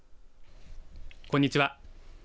こんにちは。